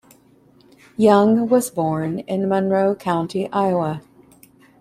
Young was born in Monroe County, Iowa.